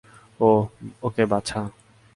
ওকে, বাছা!